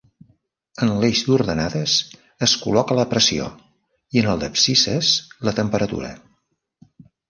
En l'eix d'ordenades es col·loca la pressió i en el d'abscisses la temperatura.